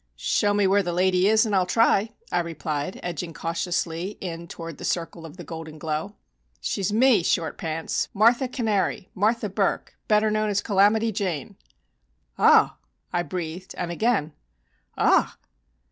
"Show me where the lady is and I'll try," I replied, edging cautiously in toward the circle of golden glow. "She's me, Short Pants Martha Cannary Martha Burk, better known as 'Calamity Jane.'" "Ah!" I breathed, and again "Ah!"